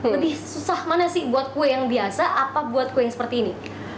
lebih susah mana sih buat kue yang biasa apa buat kue yang seperti ini